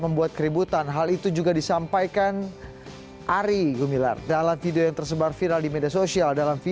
membuat keributan hal itu juga disampaikan ari gumilar dalam video yang tersebar viral di media sosial